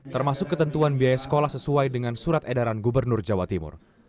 termasuk ketentuan biaya sekolah sesuai dengan surat edaran gubernur jawa timur